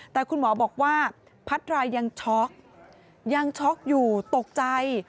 แต่คุณหมอบอกว่าพัทรายยังช็อกยังช็อกอยู่ตกใจ